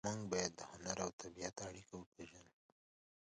موږ باید د هنر او طبیعت اړیکه وپېژنو